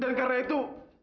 dan karena itu